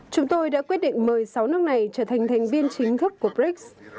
chúng tôi đã quyết định mời sáu nước này trở thành thành viên chính thức của brics